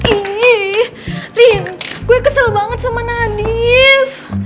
ih rin gue kesel banget sama nadif